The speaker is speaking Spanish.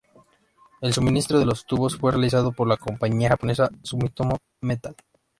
El suministro de los tubos fue realizado por la compañía japonesa Sumitomo Metal Industries.